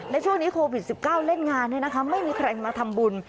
และช่วงนี้โควิด๑๙เล่นงานไม่มีใครมาทำบุญ